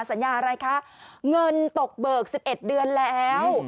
สัญญาอะไรคะเงินตกเบิก๑๑เดือนแล้ว